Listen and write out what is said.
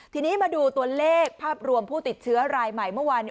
ทีนี้มาดูตัวเลขภาพรวมผู้ติดเชื้อรายใหม่เมื่อวาน